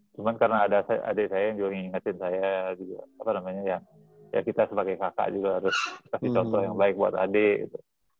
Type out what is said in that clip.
cuma karena ada adik saya yang juga ngingetin saya juga apa namanya ya kita sebagai kakak juga harus kasih contoh yang baik buat adik gitu